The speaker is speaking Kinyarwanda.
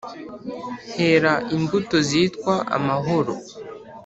hera imbuto zitwa amahoro